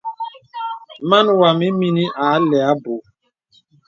Màn wām ìmìnī a lɛ abù.